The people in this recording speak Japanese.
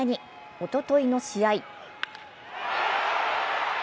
おとといの試合。